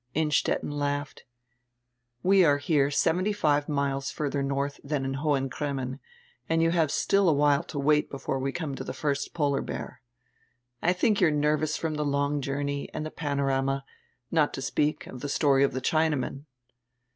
Innstetten laughed. "We are here seventy five miles further north dian in Hohen Cremmen, and you have still a while to wait before we come to die first polar bear. I diink you are nervous from die long journey and die Pano rama, not to speak of die story of die Chinaman."